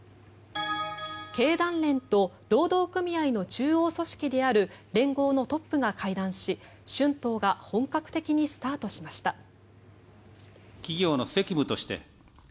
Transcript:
経団連と労働組合の中央組織である連合のトップが会談し、春闘が本格的にスタートしました。